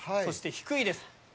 そして低いです。